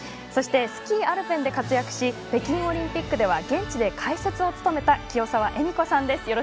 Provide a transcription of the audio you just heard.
そしてスキーアルペンで活躍し北京オリンピックでは現地で解説を務めた清澤恵美子さんです。